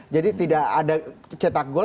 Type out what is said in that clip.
jadi tidak ada cetak gol